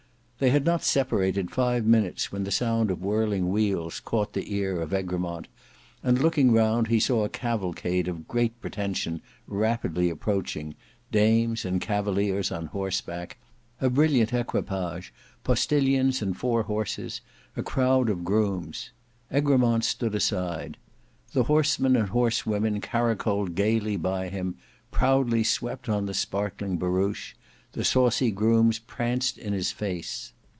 They had not separated five minutes when the sound of whirling wheels caught the ear of Egremont, and, looking round, he saw a cavalcade of great pretension rapidly approaching; dames and cavaliers on horseback; a brilliant equipage, postilions and four horses; a crowd of grooms. Egremont stood aside. The horsemen and horsewomen caracoled gaily by him; proudly swept on the sparkling barouche; the saucy grooms pranced in his face.